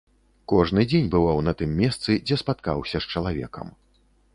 Кожны дзень бываў на тым месцы, дзе спаткаўся з чалавекам.